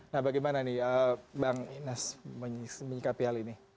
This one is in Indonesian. nah bagaimana nih bang inas menyikapi hal ini